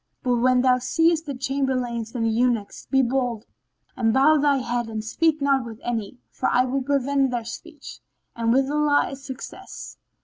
But when thou seest the Chamberlains and the Eunuchs be bold, and bow thy head and speak not with any, for I will prevent their speech; and with Allah is success!"